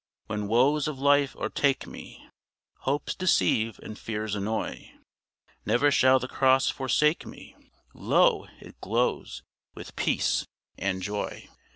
When the woes of life o'ertake me, Hopes deceive and fears annoy, Never shall the Cross forsake me Lo! it glows with peace and joy.